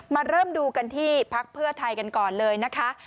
มาเริ่มดูกันที่พักเพื่อไทยกันก่อนเลยนะคะ